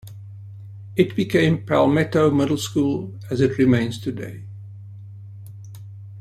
It became Palmetto Middle School as it remains today.